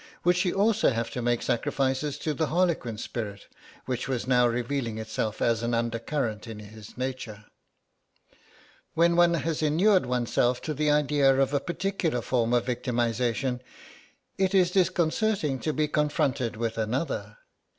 Would she also have to make sacrifices to the harlequin spirit which was now revealing itself as an undercurrent in his nature? When one has inured oneself to the idea of a particular form of victimisation it is disconcerting to be confronted with another.